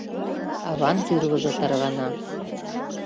— аван тӱрвыжӧ тарвана.